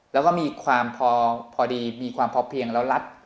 แล้วก็มีความพอดีมีความพอเพียงแล้วรับ